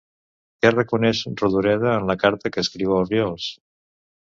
Què reconeix Rodoreda en la carta que escriu a Oriols?